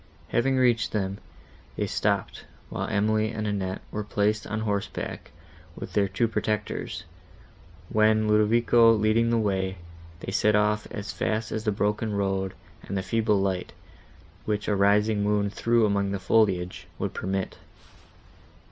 Having reached them, they stopped, while Emily and Annette were placed on horseback with their two protectors, when, Ludovico leading the way, they set off as fast as the broken road, and the feeble light, which a rising moon threw among the foliage, would permit.